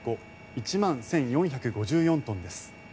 １万１４５４トンです。